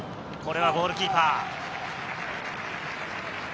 これはゴールキーパー。